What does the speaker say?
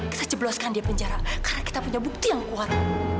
kita jebloskan dia penjara karena kita punya bukti yang kuat